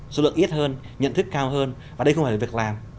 số lượng ít hơn nhận thức cao hơn và đây không phải là việc làm